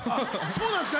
そうなんですか？